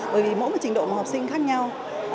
bởi vì mỗi trình độ của học sinh khác nhau